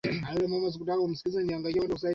Ngoma ya kitamaduni ya Wamasaiinaitwa Adumu